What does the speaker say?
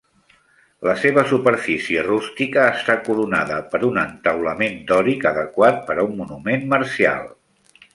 La seva superfície rústica està coronada per un entaulament dòric, adequat per a un monument marcial.